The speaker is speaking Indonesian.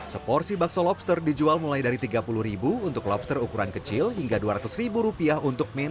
seporsi bakso lobster dijual mulai dari tiga puluh untuk lobster ukuran kecil hingga dua ratus rupiah untuk mie